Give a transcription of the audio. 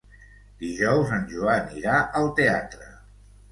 Dijous en Joan irà al teatre.